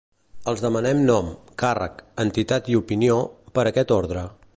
Els demanen nom, càrrec, entitat i opinió, per aquest ordre.